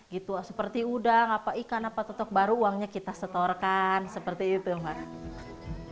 gitu seperti udang apa ikan apa totok baru uangnya kita setorkan seperti itu mbak